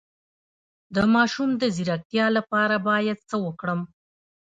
د ماشوم د ځیرکتیا لپاره باید څه وکړم؟